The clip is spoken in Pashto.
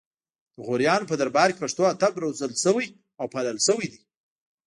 د غوریانو په دربار کې پښتو ادب روزل شوی او پالل شوی دی